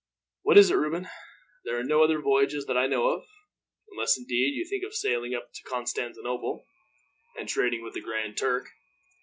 "What is it, Reuben? There are no other voyages that I know of; unless, indeed, you think of sailing up to Constantinople, and trading with the Grand Turk."